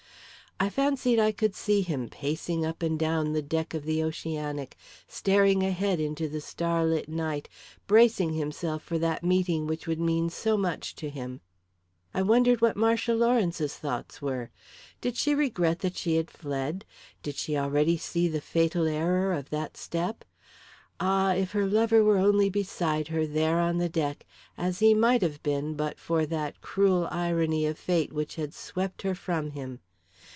I fancied I could see him, pacing up and down the deck of the Oceanic, staring ahead into the starlit night, bracing himself for that meeting which would mean so much to him. I wondered what Marcia Lawrence's thoughts were. Did she regret that she had fled? Did she already see the fatal error of that step? Ah, if her lover were only beside her, there on the deck, as he might have been but for that cruel irony of fate which had swept her from him!